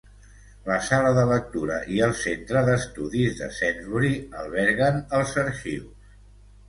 La sala de lectura i el Centre d'estudis de Sainsbury alberguen els arxius.